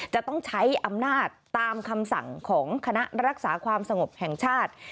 จะต้องใช้อำนาจตามคำสั่งของคณะรักษาความสงบแห่งชาติ